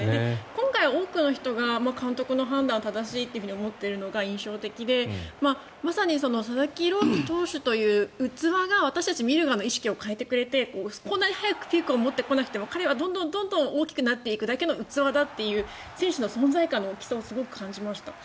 今回、かなり多くの人が監督の判断は正しいと思っているのが印象的でまさに佐々木朗希投手という器が私たち見る側の意識を変えてくれてこんなに早くピークを持ってこなくても彼はどんどん大きくなっていく器だという選手の存在感の大きさをすごく感じました。